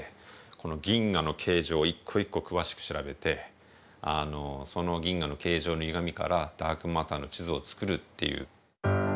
この銀河の形状を一個一個詳しく調べてその銀河の形状のゆがみからダークマターの地図を作るっていう。